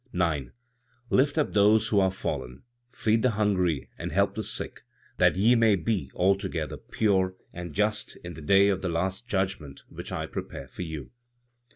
9. "Lift up those who are fallen; feed the hungry and help the sick, that ye may be altogether pure and just in the day of the last judgment which I prepare for you."